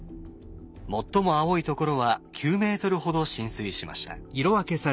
最も青いところは９ｍほど浸水しました。